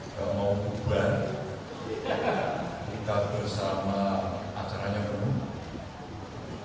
kalau mau bubar kita bersama acaranya penuh